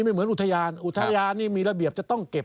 เหมือนอุทยานอุทยานนี่มีระเบียบจะต้องเก็บ